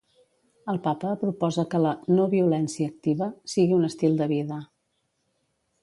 El papa proposa que la "no-violència activa" sigui un estil de vida.